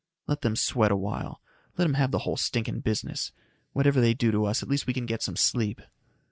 "Let them sweat a while. Let 'em have the whole stinking business. Whatever they do to us, at least we can get some sleep."